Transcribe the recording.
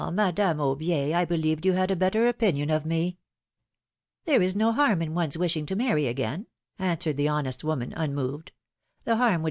Madame Aubier, I believed you had a better opinion of me." There is no harm in one's wishing to marry again," answered the honest woman, unmoved; " the harm would philomI:ne's marriages.